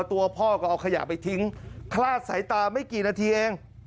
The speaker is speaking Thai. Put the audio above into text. ตัวพ่อก็เอาขยะไปทิ้งคลาดสายตาไม่กี่นาทีเอง